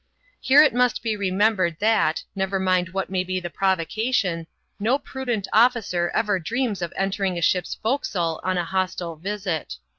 Here it must be remembered that, never mind what may be the provocation, no prudent officer ever dreams of entering a ship's forecastle on a hostile visit.